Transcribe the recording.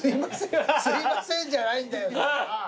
「すいません」じゃないんだよショーパン。